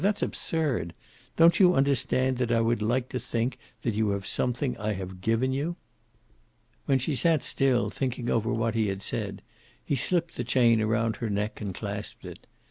That's absurd. Don't you understand that I would like to think that you have something I have given you?" When she sat still, thinking over what he had said, he slipped the chain around her neck and clasped it.